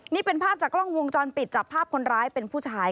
นี่เป็นภาพจากกล้องวงจรปิดจับภาพคนร้ายเป็นผู้ชาย